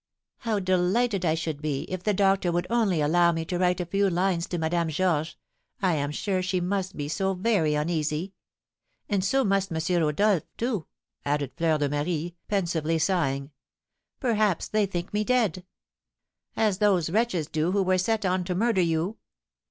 "How delighted I should be, if the doctor would only allow me to write a few lines to Madame Georges, I am sure she must be so very uneasy; and so must M. Rodolph, too," added Fleur de Marie, pensively sighing. "Perhaps they think me dead." "As those wretches do who were set on to murder you!"